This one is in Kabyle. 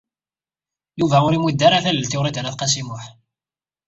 Yuba ur imudd ara tallelt i Wrida n At Qasi Muḥ.